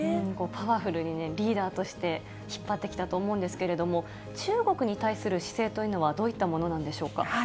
パワフルにリーダーとして、引っ張ってきたと思うんですけれども、中国に対する姿勢というのは、どういったものなんでしょうか。